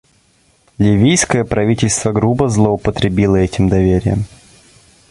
Ливийское правительство грубо злоупотребило этим доверием.